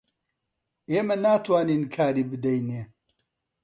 ئێمە ناتوانین کاری بدەینێ